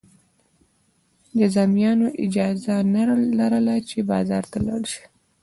جذامیانو اجازه نه لرله چې بازار ته لاړ شي.